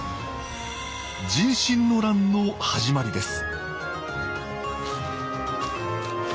壬申の乱の始まりです